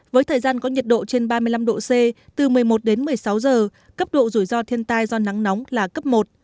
với thời gian có nhiệt độ trên ba mươi năm độ c từ một mươi một đến một mươi sáu giờ cấp độ rủi ro thiên tai do nắng nóng là cấp một